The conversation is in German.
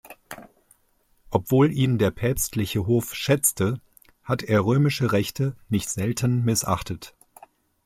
Obwohl ihn der päpstliche Hof schätzte, hat er römische Rechte nicht selten missachtet.